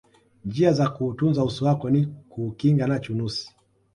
njia za kuutunza uso wako ni kuukinga na chunusi